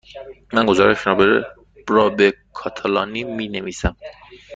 من گزارشم را به کاتالانی می نویسم.